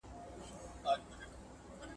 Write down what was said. زه په کمپيوټر کي انځورونه ګورم.